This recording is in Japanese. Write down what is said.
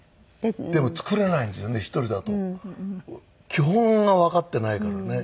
基本がわかってないからね。